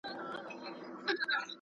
څوک غواړي بحران په بشپړ ډول کنټرول کړي؟